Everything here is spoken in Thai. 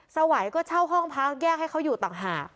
สวัยก็เช่าห้องพักแยกให้เขาอยู่ต่างหาก